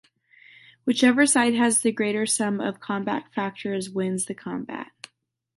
Whichever side has the greater sum of combat factors wins the combat.